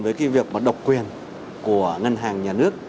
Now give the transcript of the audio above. với việc độc quyền của ngân hàng nhà nước